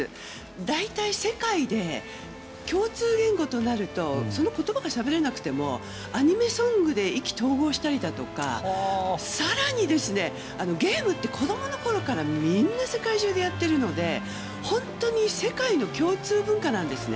大体、世界で共通言語となるとその言葉がしゃべれなくてもアニメソングで意気投合したりだとか更にゲームって子供のころからみんな世界中でやってるので世界の共通文化なんですね。